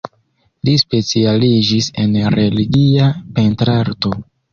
Li specialiĝis en religia pentrarto.